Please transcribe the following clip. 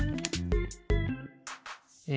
え